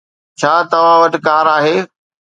ڇا توهان وٽ ڪار آهي